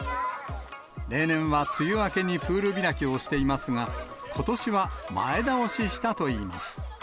例年は梅雨明けにプール開きをしていますが、ことしは前倒ししたといいます。